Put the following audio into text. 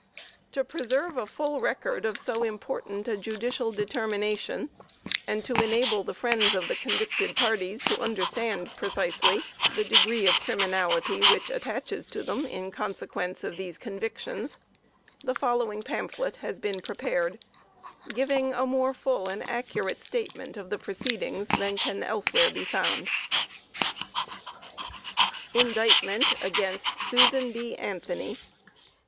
To preserve a full record of so important a judicial determination, and to enable the friends of the convicted parties to understand precisely the degree of criminality which attaches to them in consequence of these convictions, the following pamphlet has been prepared giving a more full and accurate statement of the proceedings than can elsewhere be found. INDICTMENT AGAINST SUSAN B. ANTHONY.